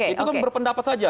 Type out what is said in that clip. itu kan berpendapat saja